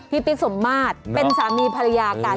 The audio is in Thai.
พี่ปิ๊กสมมาตรเป็นสามีภรรยากัน